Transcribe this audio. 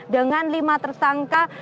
dengan lima tersangka